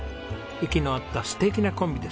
息の合った素敵なコンビです。